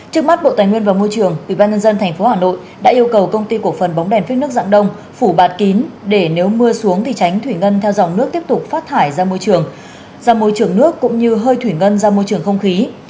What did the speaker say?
trước mắt bộ tài nguyên và môi trường ubnd tp hà nội đã yêu cầu công ty cổ phần bóng đèn phích nước dạng đông phủ bạt kín để nếu mưa xuống thì tránh thủy ngân theo dòng nước tiếp tục phát thải ra môi trường ra môi trường nước cũng như hơi thủy ngân ra môi trường không khí